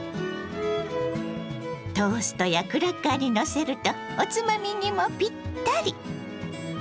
トーストやクラッカーにのせるとおつまみにもピッタリ！